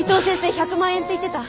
１００万円って言ってた。